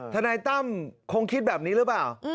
ทนายตั้มคงคิดแบบนี้หรือเปล่า